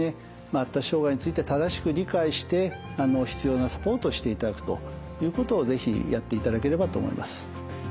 発達障害について正しく理解して必要なサポートをしていただくということを是非やっていただければと思います。